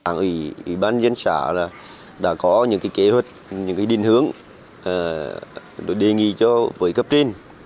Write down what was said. ủy ban dân xã đã có những kế hoạch những định hướng đề nghị cho với cấp trên